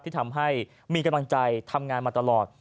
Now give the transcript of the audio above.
ที่ทำให้มีกำลังใจทำงานมาตลอด